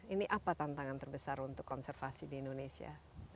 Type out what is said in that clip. ini apa tantangan terbesar untuk konservasi di indonesia